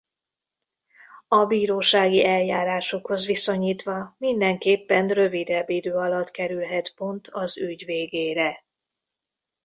A bírósági eljárásokhoz viszonyítva mindenképpen rövidebb idő alatt kerülhet pont az ügy végére.